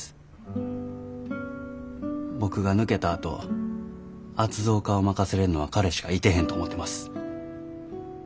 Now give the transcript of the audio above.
僕が抜けたあと圧造課を任せれんのは彼しかいてへんと思てます。